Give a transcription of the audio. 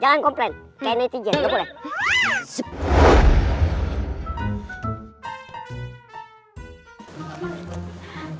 jangan komplain kayak netizen jangan komplain